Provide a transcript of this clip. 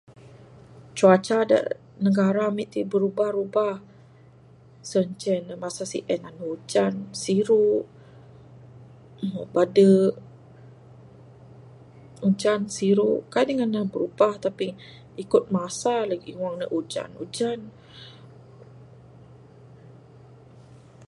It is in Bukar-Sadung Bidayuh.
Cuaca da negara amik ti berubah rubah. Sien ceh masa sien andu ujan, siru', umok badu'. Ujan siru kai dingan ne birubah, tapi ikut masa lagik. Wang ne ujan, ujan.